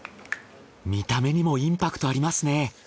見た目にもインパクトありますね。